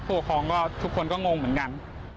ผู้ของทุกคนก็งงเหมือนกัน